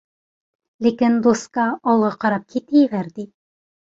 لېكىن، «دوسكا» ئالغا قاراپ كېتىۋەردى،